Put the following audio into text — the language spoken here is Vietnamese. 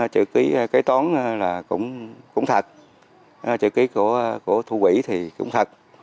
chữ ký kế toán là cũng thật chữ ký của thu quỹ thì cũng thật